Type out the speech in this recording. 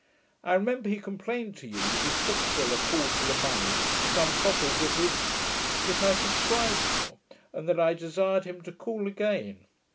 I remember he complained to you, that his bookseller called for the money for some copies of his , which I subscribed for, and that I desired him to call again.